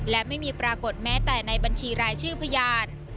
และไม่มีปรากฏแม้แต่ในบัญชีรายชื่อพยาน